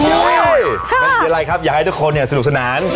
คืออะไรครับอยากให้ทุกคนสนุกสนาน